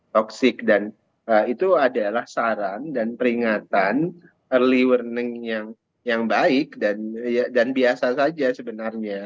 toxic dan itu adalah saran dan peringatan early warning yang baik dan biasa saja sebenarnya